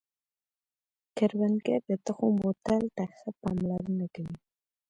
کروندګر د تخم بوتل ته ښه پاملرنه کوي